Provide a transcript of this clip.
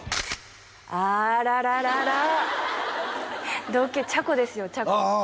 あららららら同級チャコですよチャコああ！